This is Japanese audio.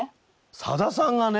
さださんがね。